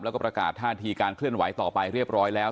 แล้วก็ประกาศท่าทีการเคลื่อนไหวต่อไปเรียบร้อยแล้ว